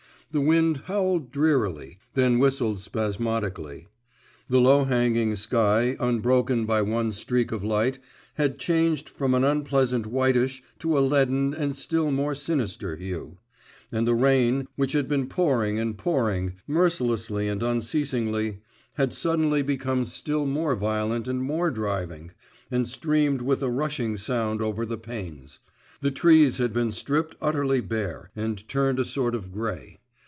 The wind howled drearily, then whistled spasmodically. The low hanging sky, unbroken by one streak of light, had changed from an unpleasant whitish to a leaden and still more sinister hue; and the rain, which had been pouring and pouring, mercilessly and unceasingly, had suddenly become still more violent and more driving, and streamed with a rushing sound over the panes. The trees had been stripped utterly bare, and turned a sort of grey.